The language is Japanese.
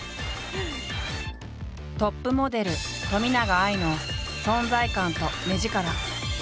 トップモデル冨永愛の存在感と目力。